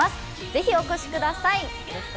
ぜひお越しください。